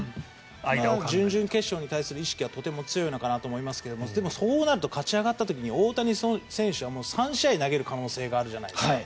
準々決勝に対する意識はとても強いのかなと思いますけどでもそうなると勝ち上がった時に大谷選手はもう３試合投げる可能性があるじゃないですか。